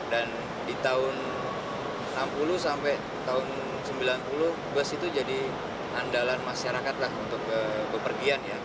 dan di tahun enam puluh sampai tahun sembilan puluh bus itu jadi andalan masyarakat lah untuk kepergian ya